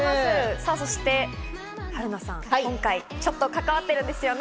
さぁ、そして春菜さん、今回ちょっと関わってるんですよね。